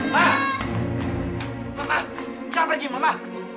mama jangan pergi mama